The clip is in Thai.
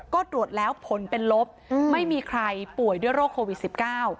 ก็ตรวจแล้วผลเป็นลบอืมไม่มีใครป่วยด้วยโรคโควิดสิบเก้า